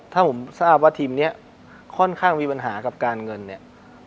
ถ้าผมทราบว่าทีมนี้ค่อนข้างมีปัญหากับการเงินเนี่ย